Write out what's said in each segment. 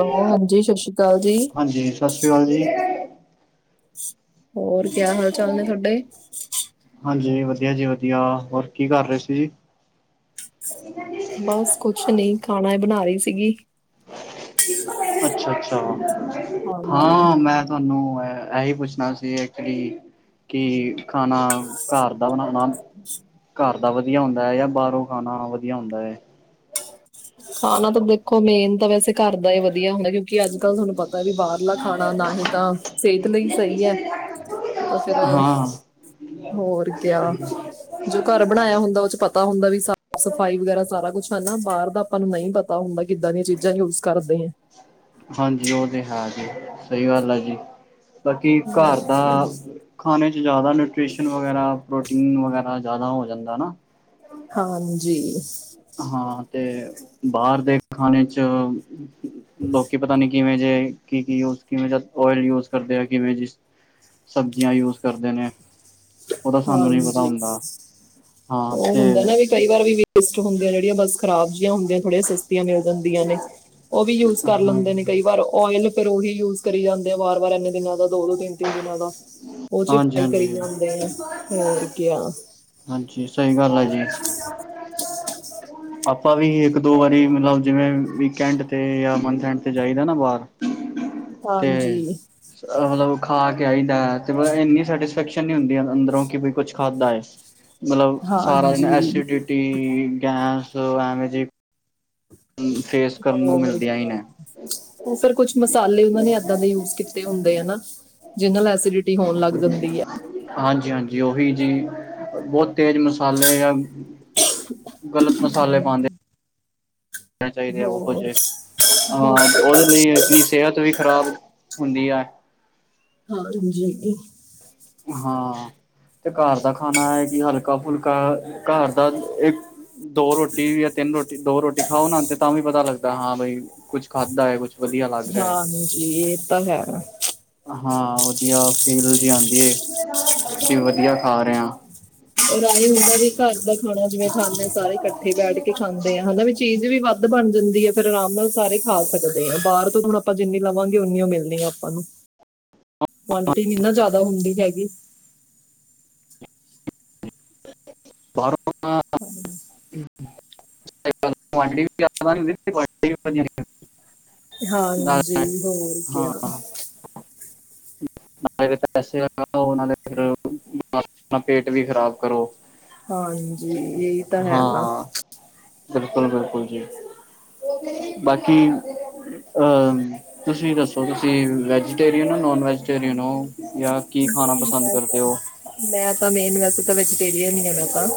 Hello ਹਾਂਜੀ ਸਤਿ ਸ਼੍ਰੀ ਅਕਾਲ ਜੀ ਹਾਂਜੀ, ਸਤਿ ਸ੍ਰੀ ਅਕਾਲ ਜੀ'। ਹੋਰ, ਕਿਆ ਹਾਲ ਚਾਲ ਨੇ ਤੁਹਾਡੇ? ਹਾਂਜੀ, ਵਧੀਆ ਜੀ, ਵਧੀਆ ਹੋਰ ਕੀ ਕਰ ਰਹੇ ਸੀ। ਬਸ ਕੁਛ ਨਹੀਂ, ਖਾਣਾ ਹੀ ਬਣਾ ਰਹੀ ਸੀਗੀ। ਅੱਛਾ- ਅੱਛਾ ਹਾਂਜੀ ਹਾਂ ਮੈਂ ਤੁਹਾਨੂੰ ਇਹ ਇਹੀ ਪੁੱਛਣਾ ਸੀ, ਐਕਚੁਲੀ ਕੀ, ਖਾਣਾ ਘਰ ਦਾ ਬਣਾਉਣਾ ਘਰ ਦਾ ਵਧੀਆ ਹੁੰਦਾ ਹੈ ਜਾਂ ਬਾਹਰੋਂ ਖਾਣਾ ਵਧੀਆ ਹੁੰਦਾ ਹੈ। ਖਾਣਾ ਤਾਂ ਦੇਖੋ, ਮੇਨ ਤਾਂ ਵੈਸੇ ਘਰ ਦਾ ਹੀ ਵਧੀਆ ਹੁੰਦਾ ਕਿਉਂਕ ਕਿ, ਅੱਜਕਲ ਤੁਹਾਨੂੰ ਪਤਾ ਵੀ ਬਾਹਰਲਾ ਖਾਣਾ ਨਾ ਹੀ ਤਾਂ ਸਿਹਤ ਲਈ ਸਹੀ ਹੈ। ਬਸ ਫੇਰ, ਹਾਂ ਹੋਰ ਕਿਆ ਜੋ ਘਰ ਬਣਾਇਆ ਹੁੰਦਾ ਉਦੇ ਚ ਪਤਾ ਹੁੰਦੈ ਵੀ ਸਾਫ਼ ਸਫ਼ਾਈ ਵਗੈਰਾ ਸਾਰਾ ਕੁਛ ਹੈਨਾ ਨਾ ਬਾਰ ਦਾ ਤੁਆਨੂੰ ਨਈ ਪਤਾ ਹੁੰਦਾ ਕਿੱਦਾਂ ਦੀਆਂ ਚੀਜ਼ਾਂ ਯੂਜ ਕਰਦੇ ਐ। ਹਾਂਜੀ ਉ ਤੇ ਹੈ ਜੀ ਸਹੀ ਗੱਲ ਐ ਜੀ। ਬਾਕੀ ਹੋਰ ਘਾਰ ਦਾ ਕੀ। ਖਾਣੇ 'ਚ ਜਾਦਾ ਨਿਊਟੀਸ਼ਨ ਵਗੈਰਾ ਪ੍ਰੋਟੀਨ ਵਗੈਰਾ ਜ਼ਿਆਦਾ ਹੋ ਜਾਂਦਾ ਨਾ। ਹਾਂਜੀ। ਹਾਂ ਤੇ ਬਾਰ ਦੇ ਖਾਨੇ ਚ ਲੋਕੀ ਪਤਾ ਨੀ ਕਿਵੇਂ ਜੇ ਕੀ, ਕੀ ਯੂਜ਼ ਕਿਵੇਂ ਜ ਓਇਲ ਯੂਜ ਕਰਦੇ ਆ ਕਿਵੇਂ ਜਿ ਸਬਜ਼ੀਆਂ ਯੂਜ ਕਰਦੇ ਨੇ। ਉਦਾ ਸਾਨੂੰ ਨੀ ਪਤਾ ਹਾਂਜੀ ਹੁੰਦਾ ਹਾਂ ਉਹ ਤੇ ਹੁੰਦਾ ਨਾ ਵੀ ਕਈ ਵਾਰ ਵੀ ਵੇਸਟ ਹੁੰਦੇ ਜਿਹੜੀ ਬਸ ਖਰਾਬ ਜਹੀਆਂ ਹੁੰਦੀਆਂ ਥੋੜੀਆਂ ਸ ਮਿਲ ਜਾਂਦੀਆਂ ਨੇ ਉ ਵੀ ਯੂਜ ਕਰ ਹਾਂ ਲੈਂਦੇ ਨੇ ਕਈ ਵਾਰ ਓਇਲ ਫੇਰ ਉਹੀ ਯੂਜ ਕਰੀ ਜਾਂਦੇ ਆ ਵਾਰ, ਵਾਰ ਇਨੇ ਦਿਨਾਂ ਦਾ ਦੋ, ਦੋ ਤਿੰਨ, ਤਿੰਨ ਦਿਨਾਂ ਦਾ। ਉਦੇ ਚ ਹਾਂਜੀ ਫ੍ਰਾਈ ਕਰੀ ਹਾਂਜੀ ਜਾਂਦੇ ਆ ਹੋਰ ਕਿਆ। ਹਾਂਜੀ, ਸਹੀ ਗੱਲ ਐ ਜੀ। ਆਪਾਂ ਵੀ ਇੱਕ ਦੋ ਵਾਰੀ ਮਤਲਬ ਜਿਵੇਂ ਵੀਕੈਂਟ ਤੇ ਜਾਂ ਮੰਥਂ ਐਂਡ ਤੇ ਜਾਈਦਾ ਨਾ ਬਾਹਰ ਤੇ ਹਾਂਜੀ ਮਤਲਬ ਖਾ ਕੇ ਆਈਦੈ, ਤੇ ਮਤਲਬ ਇੰਨੀ ਸੈਟਿਸਫੈਕਸ਼ਨ ਨੀ ਹੁੰਦੀ ਅੰਦਰੋਂ ਕਿ ਕੁਛ ਖਾਦੈ ਏ। ਮਤਲਬ ਸਾਰਾ ਦਿਨ ਹਾਂਜੀ ਐਸੀ ਡੀਟੀ ਗੈਸ ਐਵੇ ਜੇ ਫੇਸ ਕਰਨ ਨੂੰ ਮਿਲਦੀਆਂ ਈ ਨੇ। ਉ ਫੇਰ ਕੁਛ ਮਸਾਲੇ ਉਨਾਂ ਨੇ ਏਦਾਂ ਦੇ ਯੂਜ ਕੀਤੇ ਹੁੰਦੇ ਐਨਾ। ਜਿਦੇ ਨਾਲ ਐਸੀਡਿਟੀ ਹੋਣ ਲੱਗ ਜਾਂਦੀ ਐ। ਹਾਂਜੀ, ਹਾਂਜੀ ਉਹੀ ਜੀ ਬੋਤ ਤੇਜ਼ ਮਸਾਲੇ ਜਾ ਗ਼ਲਤ ਮਸਾਲੇ ਪਾਂਦੇ ਚਾਈਦੇ ਉਹੋ ਹੋਰ ਜੇ, ਹਾਂ ਉਦੇ ਲਈ ਕਿ ਸੇਹਤ ਵੀ ਖ਼ਰਾਬ ਹੁੰਦੀ ਐ। ਹਾਂਜੀ। ਹਾਂ ਤੇ ਘਰ ਦਾ ਖਾਨਾ ਐ ਏ ਕਿ ਹਲਕਾ ਫੁਲਕਾ ਘਰ ਦਾ ਇੱਕ ਦੋ ਰੋਟੀ ਜਾਂ ਤਿੰਨ ਰੋਟੀ, ਦੋ ਰੋਟੀ ਖਾਓ ਨਾ ਤੇ ਤਾਂ ਵੀ ਪਤਾ ਲੱਗਦਾ ਹਾਂ ਬਾਈ ਕੁੱਛ ਖਾਧਾ ਏ ਕੁਛ ਹਾਂਜੀ, ਏ ਤਾਂ ਹੈਗਾ। ਹਾਂ, ਵਧੀਆ ਫੀਲ ਜੀ ਆਦੀ ਏ ਕਿ ਵਧੀਆ ਖਾ ਰਹੇ ਆ। ਔਰ ਆਏ ਹੁੰਦਾ ਵੀ ਘਰ ਦਾ ਖਾਣਾ ਜਿਵੇਂ ਖਾਂਦੇ ਆ ਸਾਰੇ ਇਕੱਠੇ ਬੈਠ ਕੇ ਖਾਂਦੇ ਆ ਹੈਨਾ ਵੀ ਚੀਜ਼ ਵੀ ਵ ਧ ਬਣ ਜਾਂਦੀ ਏ ਫੇਰ ਆਰਾਮ ਨਾਲ ਸਾਰੇ ਖਾ ਸਕਦੇ ਆ, ਬਾਰ ਤੋਂ ਹੁਨ ਆਪਾਂ ਜਿੰਨੀ ਲਵਾਂਗੇ ਉਨੀ ਉ ਮਿਲਨੀ ਆ ਆਪਾਂ ਨੂੰ। [inaudible] ਕੁਆਂਟਿਟੀ ਨੀ ਨਾ ਜ਼ਿਆਦਾ ਹੁੰਦੀ ਹੈਗੀ। [unintelligible] ਹਾਂਜੀ, ਹੋਰ ਕਿਆ। [inaudible] ਨਾਲੇ ਪੈਸੇ ਲਗਾਓ ਨਾਲੇ ਫੇਰ ਅਪਨਾ ਪੇਟ ਵੀ ਖ਼ਰਾਬ ਕਰੋ। ਹਾਂਜੀ ਏ ਤਾ ਹੈ ਨਾ। ਬਿਲਕੁਲ-ਬਿਲਕੁਲ ਜੀ ਬਾਕੀ ਅ ਤੁਸੀ ਦੱਸੋ ਤੁਸੀਂ ਵੈਜੀਟੇਰੀਅਨ ਓ ਨੋਨ ਵੈਜੀਟੇਰੀਅਨ ਓ? ਯਾ ਕੀ ਮੈਂ ਖਾਣਾ ਪਸੰਦ ਕਰਦੇ ਤਾਂ ਓ? ਮੈਂ ਤਾਂ ਮੇਨ ਵੈਸੇ ਤਾ ਵੈਜੀਟੇਰੀਅਨ ਈ ਰੱਬਾ,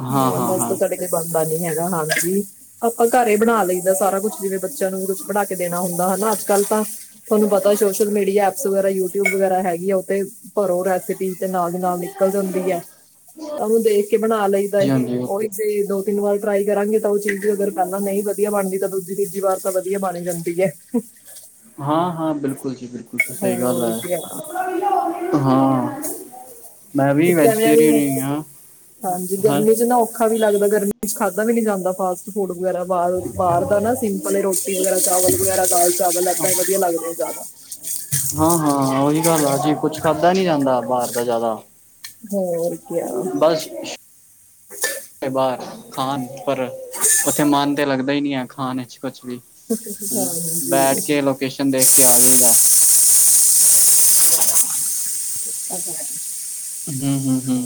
ਹਾਂ ਨੋਨ ਹਾਂ ਵੈਜ ਹਾਂ ਤੋ ਤੁਆਡੇ ਬਣਦਾ ਨੀ ਹੈਗਾ ਹਾਂਜੀ, ਆਪਾਂ ਘਰੇਂ ਈ ਬਣਾਂ ਲਇਦਾ ਸਾਰਾ ਕੁੱਛ ਜਿਵੇਂ ਬੱਚਿਆਂ ਨੂੰ ਵੀ ਕੁੱਛ ਬਣਾਂ ਕੇ ਦੇਣਾ ਹੁੰਦਾ ਹਨਾ ਅੱਜ- ਕੱਲ ਤਾਂ ਥੋਨੂੰ ਪਤਾ ਸੋਸ਼ਲ ਮੀਡੀਆ, ਐਪਸ ਵਗ਼ੈਰਾ ਯੂਟਿਊਬ ਵਗੈਰਾ ਹੈਗੀ ਆ ਓਤੇ ਭਰੋ ਰੈਸਪ -ਪੀ ਤੇ ਨਾਲ ਦੀ ਨਾਲ ਨਿਕਲ ਜਾਂਦੀ ਐ ਤਾ ਉਹਨੂੰ ਦੇਖ ਕੇ ਬਣਾ ਲਈਦਾ ਐ, ਜੀ ਹਾਂਜੀ ਓਹੀ ਚੀਜ਼ ਦੋ ਤਿੰਨ ਵਾਰ ਟਰਾਈ ਕਰਾਂਗੇ ਤਾ ਓ ਚੀਜ਼ ਅਗਰ ਪਹਿਲਾ ਨਈ ਵਧੀਆ ਬਣਦੀ, ਤਾਂ ਦੂਜੀ ਤੀਜੀ ਵਾਰ ਤਾਂ ਵਧੀਆ ਬਣ ਈ ਜਾਂਦੀ ਐ। ਹਾਂ-ਹਾਂ ਬਿਲਕੁਲ ਜੀ ਬਿਲਕੁਲ ਸਈ ਗੱਲ ਹੋਰ ਐ। ਕੀ ਹਾਂ। ਮੈਂ ਵੀ ਇੱਕ ਐਵੇਂ ਆ ਵੈਜੀਟੇਰੀਅਨ ਵੀ ਈ ਆਂ ਹਾਂਜੀ ਹਾਂ ਗਰਮੀ 'ਚ ਨਾ ਔਖਾ ਵੀ ਲਗਦਾ ਗਰਮੀ ਚ ਖਾਂਦਾ ਵੀ ਨੀ ਜਾਂਦਾ, ਫਾਸਟ ਫੂਡ ਵਗ਼ੈਰਾ। ਬਾਰੋਂ ਦੀ ਬਾਰ ਦਾ ਨਾ ਸਿੰਪਲ ਈ ਰੋਟੀ ਵਗੈਰਾ, ਚਾਵਲ ਵਗੈਰਾ, ਦਾਲ ਚਾਵਲ ਏਦਾ ਈ ਵਧੀਆ ਲਗਦੇ ਆ ਜਾਦਾ। ਹਾਂ-ਹਾਂ ਓਹੀ ਗੱਲ ਆ ਜੀ ਕੁੱਛ ਖਾਦਾਂ ਨੀ ਜਾਂਦਾ ਬਾਰ ਦਾ ਜਾਦਾ। ਹੋਰ ਕਿਆ ਅੱਛ ਛ ਤੇ ਬਾਰ ਖਾਣ, ਪਰ ਉੱਥੇ ਮਨ ਤੇ ਲਗਦਾ ਈ ਨੀ ਐ ਖਾਣ ਇੱਚ। ਕੁੱਛ ਵੀ ਬੈਠ ਕੇ ਲੋਕੇਸ਼ਨ ਦੇਖ ਕੇ ਆ ਜਾਈਦਾ। [inaudible] [inaudible] ਹੂੰ-ਹੂੰ-ਹੂੰ।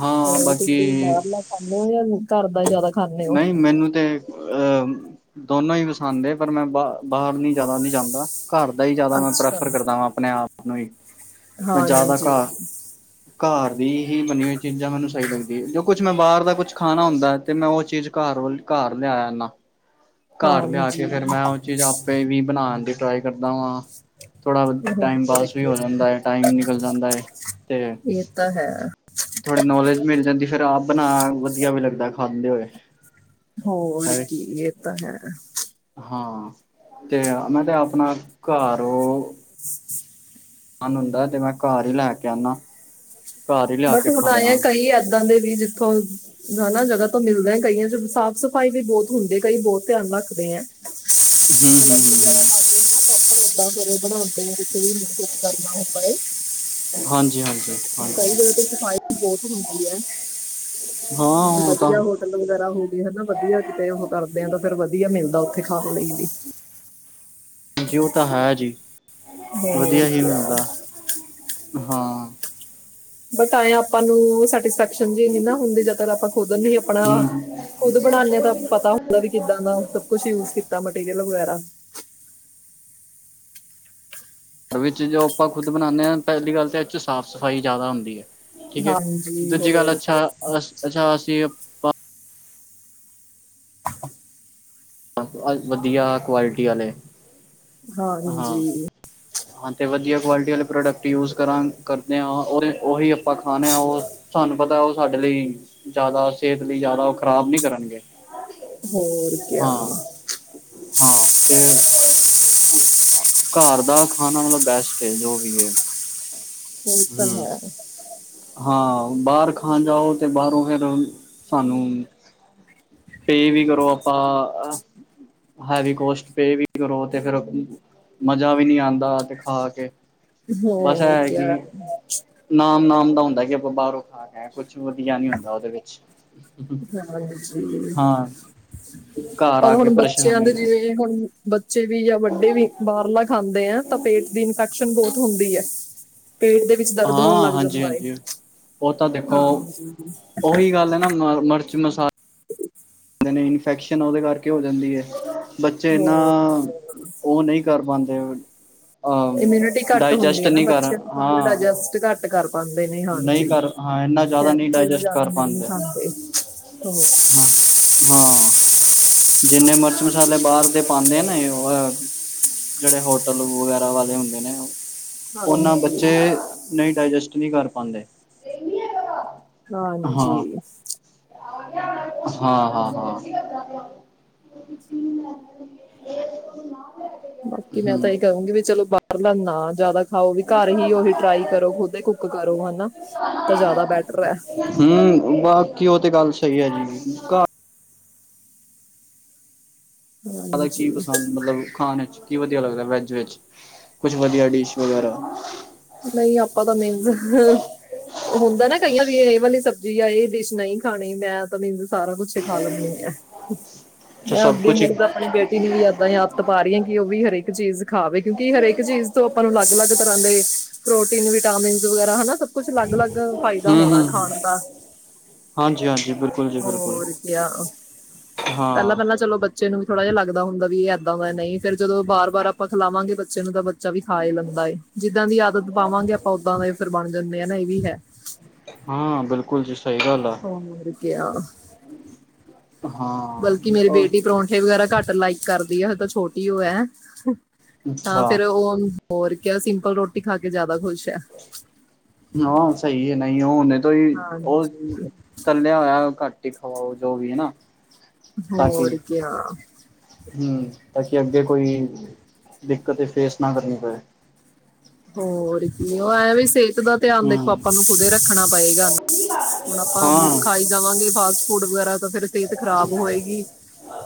ਹਾਂ ਹੋਰ ਬਾਕੀ ਤੁਸੀ ਬਾਹਰਲਾ ਖਾਣੇ ਓ ਜਾਂ ਘਰ ਦਾ ਜਾਦਾ ਨਈ ਮੈਨੂੰ ਤੇ ਅਹ ਦੋਨੋਂ ਈ ਪਸੰਦ ਏ, ਪਰ ਮੈਂ ਬਾਰ ਬਾਹਰ ਨੀ ਜਾਦਾ ਨੀ ਜਾਂਦਾ। ਘਰ ਦਾ ਈ ਜਾਦਾ ਮੈਂ ਅੱਛਾ ਪ੍ਰੈਫਰ ਕਰਦਾ ਵਾਂ ਆਪਣੇ ਆਪ ਨੂੰ ਈ, ਮੈਂ ਜਾਦਾ ਹਾਂਜੀ ਘਰ ਘਾਰ ਦੀ ਹੀ ਬਣੀ ਹੋਈ ਚੀਜ਼ਾਂ ਮੈਨੂੰ ਸਈ ਲਗਦੀ ਏ, ਜੋ ਕੁੱਛ ਮੈਂ ਬਾਰ ਦਾ ਕੁੱਛ ਖਾਣਾ ਹੁੰਦਾ ਐ ਤੇ ਮੈਂ ਓ ਚੀਜ਼ ਘਰ ਵੱਲ ਘਰ ਲੈ ਆਣਾ। ਘਰ ਲਿਆ ਕੇ ਹਾਂਜੀ ਫੇਰ ਮੈਂ ਓ ਚੀਜ਼ ਆਪੇ ਵੀ ਬਨਾਣ ਦੀ ਟਰਾਈ ਕਰਦਾ ਵਾਂ। ਥੋੜਾਂ ਟਾਈਮ ਹੋਰ ਪਾਸ ਵੀ ਕੀ ਹੋ ਜਾਦਾ ਏ, ਟਾਇਮ ਨਿਕਲ ਜਾਂਦਾ ਏ ਤੇ ਏ ਤਾ ਹੈ। ਥੋੜੀ ਨੌਲੇਜ ਮਿਲ ਜਾਂਦੀ, ਫੇਰ ਆਪ ਬਣਾ ਵਧੀਆਂ ਵੀ ਲਗਦਾ ਖਾਂਦੇ ਹੋਏ। ਹੋਰ ਐਵੇਂ ਕੀ, ਏ ਤਾ ਹੈ। ਹਾਂ, ਤੇ ਮੈਂ ਤੇ ਆਪਣਾ ਘਰ ਓ ਮਨ ਹੁੰਦਾਂ ਤੇ ਮੈਂ ਘਰ ਈ ਲੈ ਕੇ ਆਣਾ। ਬਟ ਹੁਣ ਆਏ ਆ ਕਈ ਏਦਾਂ ਦੇ ਵੀ ਜਿੱਥੋਂ ਦਾ ਨਾ ਜਗਾ ਤੋਂ ਮਿਲਦਾ ਐ ਕਈਆਂ ਚੋਂ ਸਾਫ਼- ਸਫ਼ਾਈ ਵੀ ਬੋਤ ਹੁੰਦੀ, ਕਈ ਬੋਤ ਧਿਆਨ ਰੱਖਦੇ ਐ। ਹੂੰ -ਹੂੰ-ਹੂੰ-ਹੂੰ। [unintelligible] ਕਈ ਹਾਂਜੀ ਹਾਂਜੀ ਹਾਂਜੀ ਲੋਕ ਦੀ ਸਫਾਈ ਬੋਤ ਹੁੰਦੀ ਐ। ਹਾਂ ੲੌ ਤਾ ਤਲਵ ਵਗੈਰਾ ਹੋਗੀ ਹਨਾ ਵਧੀਆਂ ਕਿੱਤੇ ਉਹ ਕਰਦੇ ਆ ਤਾਂ ਫੇਰ ਵਧੀਆ ਮਿਲਦਾ ਉੱਥੇ ਖਾਣ ਲਈ ਵੀ। ਜੀ ਓ ਤਾਂ ਹੈ ਜੀ, ਹੋਰ ਵਧੀਆਂ ਹੀ ਕੀ ਮਿਲਦਾ ਹਾਂ। ਬਟ ਐਏ ਆਪਾਂ ਨੂੰ ਸੈਟਿਸਫੈਕਸ਼ਨ ਜੀ ਨੀ ਨਾ ਹੁੰਦੀ, ਜਦ ਤਰ ਆਪਾਂ ਖੁੱਦ ਨੀ ਆਪਣਾ ਹੂੰ ਖੁੱਦ ਬਣਾਨੇ ਆ ਤਾਂ ਪਤਾ ਹੁੰਦਾ ਵੀ ਕਿੱਦਾਂ ਦਾ ਸਭ ਕੁੱਛ ਯੂਜ ਕੀਤਾਂ ਮਟੀਰੀਅਲ ਵਗ਼ੈਰਾ। ਵਿਚ ਜੋ ਆਪਾਂ ਖੁੱਦ ਬਨਾਣੇ ਆ ਪਹਿਲੀ ਗੱਲ ਤਾ ਐਚ ਸਾਫ਼- ਸਫ਼ਾਈ ਜਾਦਾ ਹੁੰਦੀ ਐ। ਠੀਕ ਐ, ਹਾਂਜੀ ਦੂਜੀ ਗੱਲ ਹੋਰ ਕਿਆ। ਅੱਛਾ ਅ ਅੱਛਾ ਅਸੀ ਅ ਵਧੀਆਂ ਕੁਆਲਟੀ ਆਲੇ, ਹਾਂ। ਹਾਂਜੀ ਹਾਂ ਤੇ ਵਧੀਆਂ ਕੁਆਲਟੀ ਵਾਲੇ ਪ੍ਰੋਡਕਟ ਯੂਜ਼ ਕਰਾਂ ਕਰਦੇ ਆ ਔਰ ਓਹੀ ਆਪਾਂ ਖਾਣੇ ਆਂ ਓ ਸਾਨੂੰ ਪਤਾ ਏ ਓ ਸਾਡੇ ਲਈ, ਜਾਦਾ ਸੇਤ ਲਈ ਜਾਦਾ ਓ ਖ਼ਰਾਬ ਨੀ ਕਰਨਗੇ। ਹੋਰ ਕੀ ਹਾਲ ਹਾਂ ਆ? ਹਾਂ ਤੇਰ ਘਰ ਦਾ ਖਾਣਾ ਮਲੇ ਬੈਸਟ ਏ ਜੋ ਵੀ ਏ। ਉਹ ਤਾਂ ਹੂੰ। ਹੈ ਹਾਂ ਬਾਰ ਖਾਣ ਜਾਓ ਤੇ ਬਾਰੋ ਫੇਰ, ਸਾਨੂੰ ਪੇ ਵੀ ਕਰੋ ਆਪਾ ਹੈਵੀ ਕੋਸਟ ਪੇ ਵੀ ਕਰੋ ਤੇ ਫੇਰ, ਮਜ਼ਾ ਵੀ ਨੀ ਆਂਦਾ ਤੇ ਖਾ ਕੇ। ਬਸ ਹੋਰ ਹੈ ਕੀ, ਕਿਆ ਨਾਮ-ਨਾਮ ਦਾ ਹੁੰਦਾ ਕੀ ਆਪਾਂ ਬਾਰੋਂ ਖਾ ਕੇ ਆਏ ਕੁਛ ਵਦੀਆ ਨੀ ਹੁੰਦਾ ਓਦੇ ਵੇਚ। [unintelligible] ਘਰ ਪਰ ਆ ਕੇ ਹੁਣ ਪਰੇਸ਼ਾਨੀ ਬੱਚੇਆਂ ਦੇ ਹੁੰਦੀ। ਜੀਏ ਹੁਣ ਬੱਚੇ ਵੀ ਜਾਂ ਵੱਡੇ ਵੀ ਬਾਰਲਾ ਖਾਂਦੇ ਐਂ ਤਾਂ ਪੇਟ ਦੀ ਇਨਫੈਕਸ਼ਨ ਬੋਤ ਹੁੰਦੀ ਐ। [inaudible] ਪੇਟ ਦੇ ਵੀਚ ਦਰਦ ਹੋਣ ਲੱਗ ਜਾਂਦਾ ਏ। ਓ ਤਾਂ ਦੇਖੋ, ਹਾਂਜੀ ਓਹੀ ਗੱਲ ਐ ਨਾ ਮਰ ਮੜਚ ਮਸਾ ਇਨਫੈਕਸ਼ਨ ਓਦੇ ਕਰਕੇ ਹੋ ਜਾਂਦੀ ਐ, ਬੱਚੇ ਐਨਾ ਹੋਰ ਕਿਆ। ਓ ਨਈ ਕਰ ਪਾਦੇ ਹੈ। ਈਮੀਂਊਨਟੀ ਘੱਟ ਹੁੰਦੀ ਐ ਨਾ ਨਹੀਂ ਕਰ ਬੱਚੇਆਂ ਨੂੰ ਥੋੜਾਜਾ ਹਾਂ ਡਾਏਜਸਟ ਘੱਟ ਕਰ ਪਾਦੇ ਨੇ ਨਹੀਂ ਹਾਂਜੀ ਕਰ ਹਾਂ ਇੰਨਾ [unintelligible] ਜ਼ਿਆਦਾ ਚੀਜ਼ ਜਾਦਾ ਨਹੀ ਖਾਂਦੇ। ਹੋਰ ਹੂੰ, ਹਾਂ। ਜੀਨੇ ਮੀਰਚ ਮਸਾਲੇ ਬਾਹਰ ਦੇ ਪਾਨੇ ਨੇ ਓ ਜੇ ਓ ਆ ਜੇੜੇ ਹੋਟਲ ਵਗੈਰਾ ਵਾਲੇ ਹੁੰਦੇ ਨੇ ਓ ਓਨਾਂ ਹਾਂਜੀ ਬੱਚੇ, ਨਈ ਡਾਏਜੈਸਟ ਨੀ ਕਰ ਪਾਂਦੇ [unintelligible] ਹਾਂਜੀ। ਹਾਂ, ਹਾਂ, ਹਾਂ। [unintelligible] ਬਾਕੀ ਮੈਂ ਤਾਂ ਹਮ ਏ ਕਹੂੰਗੀ ਵੀ ਚਲੋ ਬਾਰਲਾ ਨਾ ਜਾਦਾ ਖਾਓ ਵੀ ਘਰ ਹੀ ਓਹੀ ਟਰਾਈ ਕਰੋ ਖੁਦ ਕੁੱਕ ਕਰੋ ਹਨਾ, ਤਾਂ ਜਾਦਾ ਬੈਟਰ ਐ। ਹੂੰ ਬਾਕੀ ਓ ਤੇ ਗੱਲ ਸਈ ਐ ਜੀ, ਕ ਜਾਦਾ ਹਾਂਜੀ ਕੀ ਪਸੰਦ ਮਲਬ ਖਾਣੇ ਚ? ਕੀ ਵਧੀਆ ਲੱਗਦਾ ਵੈਜ ਵੇਚ, ਕੁਛ ਵਦੀਆ ਡੇਸ਼ ਵਗੈਰਾ? ਨਈ ਆਪਾਂ ਤਾਂ ਮੇਗ ਹੁੰਦਾ ਨਾ ਕਈਆਂ ਵੀ ਏ ਵਾਲੀ ਸਬਜ਼ੀ ਜਾਂ ਏ ਡੇਸ਼ ਨਈਂ ਖਾਣੀ ਮੈਂ ਤਾਂ ਮੈਨੂੰ ਸਾਰਾ ਕੁੱਛ ਖਾ ਲੈਂਨੀ ਆਂ, ਮੈਂ ਸਭ ਅੱਗੇ ਕੁਛ ਮੀਲਦਾ ਆਪਣੀ ਬੇਟੀ ਨੂੰ ਵੀ ਐਦਾਂ ਈ ਆਦਤ ਪਾ ਰਈ ਆਂ ਕੀ ਓ ਵੀ ਹਰੇਕ ਚੀਜ਼ ਖਾਵੇ ਕੇਓਂਕੀ ਹਰੇਕ ਚੀਜ਼ ਤੋਂ ਆਪਾਂ ਨੂੰ ਅਲੱਗ-ਅਲੱਗ ਤਰਾ ਦੇ, ਪ੍ਰੋਟੀਨ ਵੀਟਾਮੀਨ ਵਗੈਰਾ ਹਨਾ ਸ ਕੁਛ ਲੱਗ-ਲੱਗ ਫਾਈਦਾ ਹਮ ਹੋਣਾਂ ਹਮ ਖਾਣ ਦਾ। ਹਾਂਜੀ ਹਾਂਜੀ ਬਿਲਕੁਲ ਜੀ ਬਿਲਕੁਲ ਹੋਰ ਕੀਆ, ਹਾਂ ਪੈਂਲਾਂ-ਪੈਂਲਾਂ ਚਲੋ‌ ਬਾ ਚੇ ਨੂੰ ਵੀ ਥੋੜਾ ਜੇਆ ਲੱਗਦਾ ਹੁੰਦਾ ਦਾਂ ਵੀ ਏਦਾਂ ਦਾ ਨਈ ਫੇਰ ਜਦੋਂ ਬਾਰ-ਬਾਰ ਆਪਾਂ ਖਲਾਵਾਂਗੇ ਬੱਚੇ ਨੂੰ ਤਾਂ ਬ ਚਾ ਵੀ ਖਾ ਲੈਂਦਾਂ ਏ ਜੀਦਾਂ ਦੀ ਆਦਤ ਪਾਵਾਂਗੇ ਆਪਾਂ ਓਦਾਂ ਦਾ ਫੇਰ ਬਣ ਜਾਂਦੇ ਏ ਨਾ ਏ ਵੀ ਹੈ। ਹਾਂ ਬੇਲਕੁਲ ਜੀ ਸਈ ਗੱਲ ਆ [unintelligible] ਹਾਂ ਬਲਕਿ ਮੇਰੀ ਓ ਬੇਟੀ ਪਰੌਂਠੇ ਵਗੈਰਾ ਘੱਟ ਲਾਈਕ ਕਰਦੀ ਆ ਹਏ ਤਾਂ ਛੋਟੀ ਓ ਐ ਤਾਂ ਅੱਛਾ ਫੇਰ ਹੋਰ ਕੇਆ ਸੀਂਪਲ ਰੋਟੀ ਖਾ ਕੇ ਜਾਦਾ ਖੁਸ਼ ਐ। ਹਾਂ, ਸਹੀ ਹੈ, ਨਹੀਂ ੳ ਹੁਨੇ ਤੋਂ ਹੀ ਉਹ ਹਾਂਜੀ ਤੱਲਿਆ ਹੋਇਆ ਘੱਟ ਹੀ ਖਵਾਓ, ਜੋ ਵੀ ਹਨਾ। ਹੋਰ ਕਿਆਂ ਹੰਮ, ਤਾਂ ਕਿ ਅੱਗੇ ਕੋਈ, ਦਿੱਕਤ ਫੇਸ ਨਾ ਕਰਨੀ ਪਵੇ। ਹੋਰ ਨਹੀਂ, ਉਹ ਐਂ ਵੀ ਸਿਹਤ ਦਾ ਧਿਆਨ ਦੇਖੋ ਹਮ ਆਪਾਂ ਨੂੰ ਖੁਦ ਰੱਖਣਾ ਪਏਗਾ, ਹੁਣ ਆਪਾਂ ਹਾਂ ਖਾਈ ਜਾਵਾਂਗੇ ਫਾਸਟ ਫੂਡ ਵਗੈਰਾ, ਤਾਂ ਫੇਰ ਸਿਹਤ ਖ਼ਰਾਬ ਹੋਏਗੀ।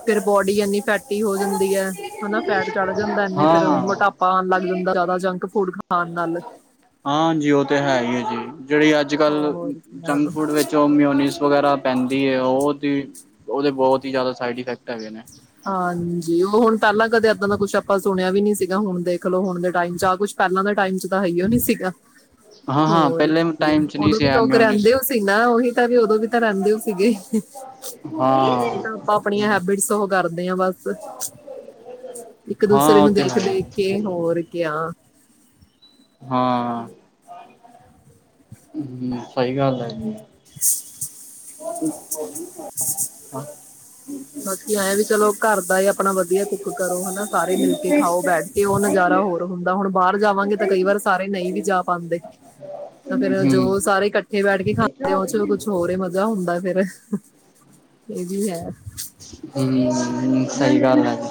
ਫੇਰ ਬੋਡੀ ਇੰਨੀ ਫੈਟੀ ਹੋ ਜਾਂਦੀ ਹੈ, ਹਨਾ ਫੈਟ ਚੜ ਜਾਂਦਾ ਇਨੀ ਫ਼ਿਰ ਹਾਂ ਮੋਟਾਪੇ ਆਉਣ ਲੱਗ ਜਾਂਦਾ ਜ਼ਿਆਦਾ, ਜੰਕ ਫੂਡ ਖਾਣ ਨਾਲ। ਹਾਂਜੀ ਉਹ ਤਾਂ ਹੈ ਹੀ ਹੈ ਜੀ, ਜਿਹੜੀ ਅੱਜ ਕੱਲ੍ਹ ਹੋਰ ਕਿਆ ਜੰਕ ਫੂਡ ਵਿੱਚ ਉਹ ਮਿਓਨੀਸ ਵਗੈਰਾ ਪੈਂਦੀ ਹੈ, ਉਹਦੀ-ਉਹਦੇ ਬਹੁਤ ਹੀ ਜ਼ਿਆਦਾ ਸਾਈਡ ਇਫੈਕਟ ਹੈਗੇ ਨੇ। ਹਾਂਜੀ, ਉਹ ਹੁਣ ਪਹਿਲਾਂ ਕਦੇ ਇੱਦਾਂ ਦਾ ਕੁਛ ਆਪਾਂ ਸੁਣਿਆ ਵੀ ਨੀ ਸੀਗਾ, ਹੁਣ ਦੇਖਲੋ ਹੁਣ ਦੇ ਟਾਈਮ 'ਚ ਆਹ ਕੁਛ ਪਹਿਲਾਂ ਦੇ ਟਾਈਮ 'ਚ ਤਾਂ, ਹੈ ਉਹ ਨੀ ਸੀਗਾ। ਹਾਂ ਹਾਂ, ਪਹਿਲੇ ਤੇ ਟਾਈਮ ਚ ਨਹੀਂ ਉਦੋਂ ਸੀ ਵੀ ਲੋਕ ਮਿਊਨਿਸ ਰਹਿੰਦੇ ਓਸੀ ਨਾ, ਉਹੀ ਤਾਂ ਵੀ ਉਦੋਂ ਵੀ ਤਾਂ ਰਹਿੰਦੇ ਸੀਗੇ। ਹਾਂ। ਜਿਦਾਂ ਆਪਾਂ ਆਪਣੀਆਂ ਹੈਬਿਟਸ ਕਰਦੇ ਹਾ ਬਸ, ਇੱਕ ਦੂਸਰੇ ਹਾਂ ਉਹ ਨੂੰ ਤੇ ਹੈ ਦੇਖ-ਦੇਖ ਕੇ, ਹੋਰ ਕੇਰਾ ਹਾਂ। ਹਮ, ਸਹੀ ਗੱਲ ਹੈ ਜੀ। [inaudible] ਹਾਂ। [inaudible] ਬਾਕੀ ਐਂ ਵੀ ਚਲੋ, ਘਰ ਦਾ ਆਪਣਾ ਵਧੀਆ ਕੁੱਕ ਕਰੋ ਹਨਾ, ਸਾਰੇ ਮਿਲ ਕੇ ਖਾਓ ਬੈਠ ਕੇ, ਉਹ ਨਜ਼ਾਰਾ ਹੋਰ ਹੁੰਦਾ। ਹੁਣ ਬਾਹਰ ਜਾਵਾਂਗੇ, ਤਾਂ ਕਈ ਵਾਰ ਸਾਰੇ ਨਹੀਂ ਵੀ ਜਾ ਪਾਂਦੇ। ਤਾਂ ਫੇਰ ਜੀ ਜੋ ਸਾਰੇ ਇਕੱਠੇ ਬੈਠ ਕੇ ਖਾਂਦੇ, ਉਹ 'ਚ ਕੁਛ ਹੋਰਹੀ ਮਜ਼ਾ ਹੁੰਦਾ ਫ਼ਿਰ, ਇਹ ਵੀ ਹੈ। ਹਮਮਮਮ ਹ, ਸਹੀ ਗੱਲ ਆਜੀ।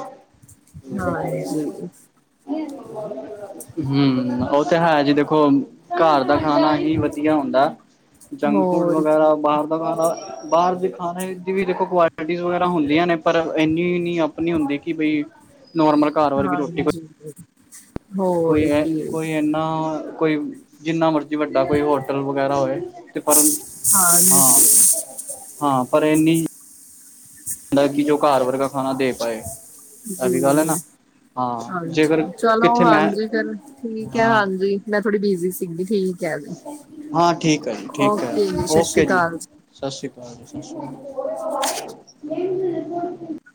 ਹਾਂਜੀ। ਹ [inaudible] ਹਮ, ਉਹ ਤੇ ਹੈ ਜੀ ਦੇਖੋ, ਘਰ ਦਾ ਖਾਣਾ ਹੀ ਵਧੀਆ ਹੁੰਦਾ ਜੰਕ ਫੂਡ ਹੋਰ ਕੀ ਵਗੈਰਾ ਬਾਹਰ ਬਾਹਰ ਦੇ ਖਾਣੇ ਦੀ ਵੀ ਦੇਖੋ ਕੁਆਲਿਟੀ ਵਗੈਰਾ ਹੁੰਦੀਆਂ ਨੇ, ਪਰ ਇੰਨੀ ਵੀ ਨੀ ਆਪਣੀ ਹੁੰਦੀ ਕਿ ਬਈ, ਨੋਰਮਲ ਘਰ ਵਰਗੀ ਰੋਟੀ ਕੋਈ ਠੀਕ। [unintelligible] ਕੋਈ ਐ, ਕੋਈ ਇਨਾ ਕੋਈ ਜਿੰਨਾ ਮਰਜ਼ੀ ਵੱਡਾ ਕੋਈ ਹੋਟਲ ਵਗੈਰਾ ਹੋਵੇ, ਤੇ ਪਰ ਹਾਂ ਹਾਂਜੀ ਹਾਂ, ਪਰ ਇਹਨੀ ਹੁੰਦਾ, ਕਿ ਜੋ ਘਰ ਵਰਗਾ ਖਾਣਾ ਦੇ ਪਾਏ। ਇਹ ਜੀ ਵੀ ਗੱਲ ਹੈ ਨਾ ਵਹੀ। [unintelligible] ਹਾਂ ਹਾਂਜੀ, ਜੇਕਰ ਚਲੋ ਕਿੱਥੇ ਮੈਂ ਹਾਂਜੀ ਫਿਰ ਠੀਕ ਹੈ ਹਾਂ ਹਾਂਜੀ, ਮੈਂ ਥੋੜੀ ਬਿਜੀ ਸੀ। ਿੰਦੀ ਠੀਕ [unintelligible] ਹਾਂ ਠੀਕ ਹੈ ਜੀ, ਠੀਕ ਹੈ ਓਕੇ ਜੀ ਸਤਿ ਓਕੇ ਸ਼੍ਰੀ ਜੀ। ਅਕਾਲ ਸਤਿ ਸ੍ਰੀ ਅਕਾਲ ਜੀ, ਸਤਿ ਸ੍ਰੀ ਅਕਾਲ।